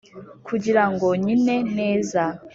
kugirango nkine neza.